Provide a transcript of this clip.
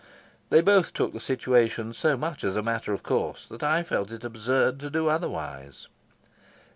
They both took the situation so much as a matter of course that I felt it absurd to do otherwise.